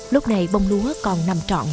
lúc này bông lúa còn nằm trọn